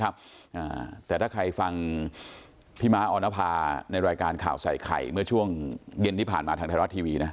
อ่าแต่ถ้าใครฟังพี่ม้าออนภาในรายการข่าวใส่ไข่เมื่อช่วงเย็นที่ผ่านมาทางไทยรัฐทีวีนะ